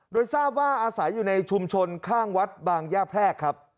โดยทราบว่าอาศัยอยู่ในชุมชนข้างวัดบางย่าแพรกครับ